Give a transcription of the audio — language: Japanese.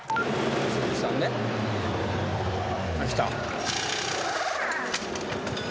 鈴木さんね。来た。